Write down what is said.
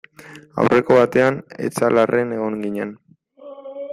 Aurreko batean Etxalarren egon ginen.